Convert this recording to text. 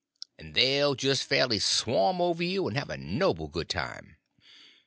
And they'll just fairly swarm over you, and have a noble good time."